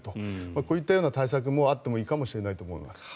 こういったような対策もあってもいいと思います。